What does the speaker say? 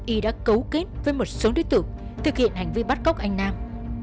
y đã cấu kết với một số đứa tử thực hiện hành vi bắt cóc anh nam